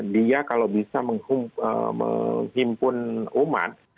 dia kalau bisa menghimpun umat